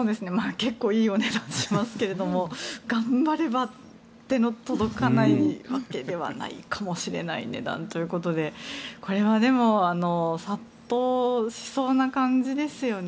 結構いいお値段しますけれども頑張れば手の届かないわけではないかもしれない値段ということでこれはでも殺到しそうな感じですよね。